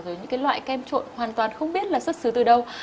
rồi những cái loại kem trộn hoàn toàn không biết là xuất xứ từ đâu